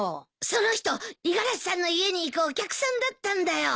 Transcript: その人五十嵐さんの家に行くお客さんだったんだよ。